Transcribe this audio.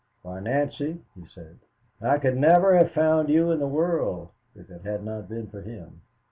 Why, Nancy," he said, "I could never have found you in the world if it had not been for him.